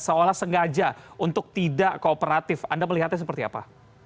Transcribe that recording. seolah sengaja untuk tidak kooperatif anda melihatnya seperti apa